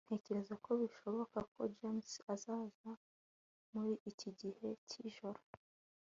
ntekereza ko bishoboka ko james azaza muri iki gihe cyijoro